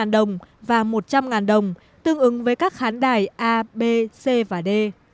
một trăm năm mươi đồng và một trăm linh đồng tương ứng với các khán đài a b c và d